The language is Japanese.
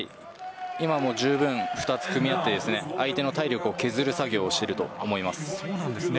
今も十分２つ組み合って相手の体力を削る作業をしてると思います。